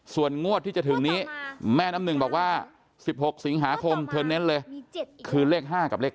ส่วนงวดที่จะถึงนี้แม่น้ำหนึ่งบอกว่า๑๖สิงหาคมเธอเน้นเลยคือเลข๕กับเลข๙